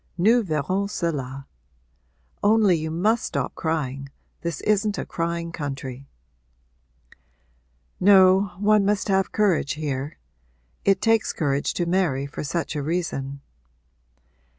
Nous verrons cela. Only you must stop crying this isn't a crying country.' 'No, one must have courage here. It takes courage to marry for such a reason.'